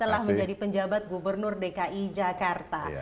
telah menjadi penjabat gubernur dki jakarta